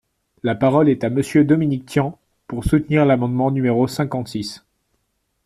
La parole est à Monsieur Dominique Tian, pour soutenir l’amendement numéro cinquante-six.